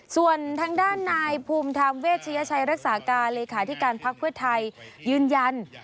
ส่วนทางด้านนายภูมิธรรมเวชยชัยรักษาการเลขาธิการพักเพื่อไทยยืนยัน